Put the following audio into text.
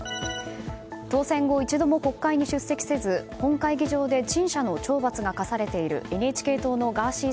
当選後一度も国会に出席せず本会議場で陳謝の懲罰が科されているＮＨＫ党のガーシー